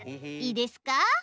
いいですか？